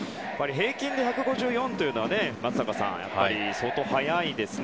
平均で１５４というのは松坂さん、相当速いですね。